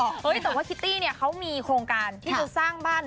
เธอก็ว่ากิตตี้เค้ามีโครงการที่จะสร้างบ้าน